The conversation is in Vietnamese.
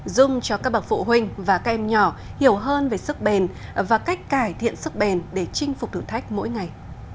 dùng cho các bậc phụ huynh và các em nhỏ hiểu hơn về sức bền và cách cải thiện sức bền để chinh phục thử thách mỗi ngày